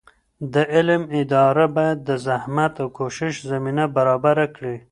د علم اداره باید د زحمت او کوشش زمینه برابره کړي.